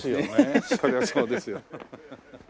そりゃそうですよ。